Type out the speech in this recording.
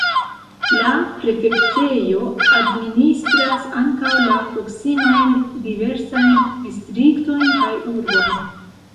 La prefektejo administras ankaŭ la proksimajn diversajn distriktojn kaj urbojn.